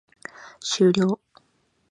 終了